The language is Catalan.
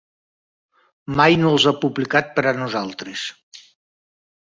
Mai no els ha publicat per a nosaltres.